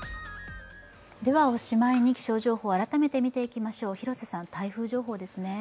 おしまいに気象情報改めて見ていきましょう、台風情報ですね。